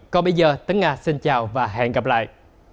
còn bây giờ tấn nga xin chào và hẹn gặp lại